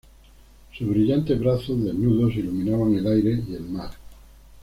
Sus brillantes brazos desnudos iluminaban el aire y el mar.